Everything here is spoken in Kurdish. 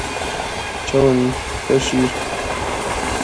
Carinan bersivnedan jî bersivek e ji ber ku her pirs ne hêjayî bersivê ye.